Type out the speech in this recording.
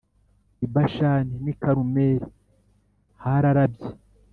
i Bashani n’i Karumeli hararabye